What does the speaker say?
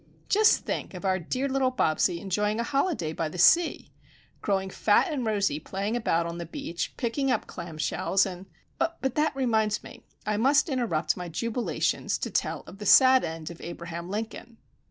Just think of our dear little Bobsie enjoying a holiday by the sea!—growing fat and rosy playing about on the beach, picking up clam shells, and—— But that reminds me. I must interrupt my jubilations to tell of the sad end of Abraham Lincoln!